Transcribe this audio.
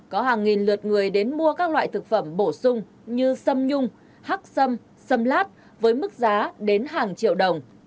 có hàng nghìn lượt người đến mua các loại thực phẩm bổ sung như xâm nhung hắc xâm xâm lát với mức giá đến hàng triệu đồng